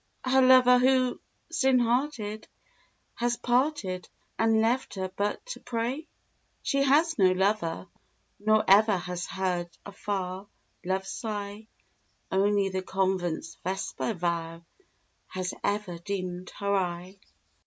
Her lover who, sin hearted, has parted And left her but to pray? She has no lover, nor ever Has heard afar love's sigh. Only the Convent's vesper vow Has ever dimmed her eye.